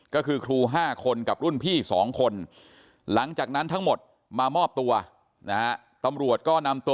ก็คือครู๕คนกับรุ่นพี่๒คนหลังจากนั้นทั้งหมดมามอบตัวนะฮะตำรวจก็นำตัว